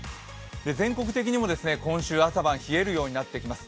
全国的にも今週、朝晩冷えるようになってきます。